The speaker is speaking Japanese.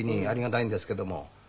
ありがたいんですけども。